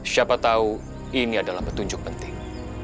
siapa tahu ini adalah petunjuk penting